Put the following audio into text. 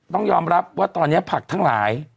ต้องยอมรับว่าตอนนี้ผักทั้งหลาย